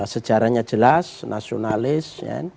sejarahnya jelas nasionalis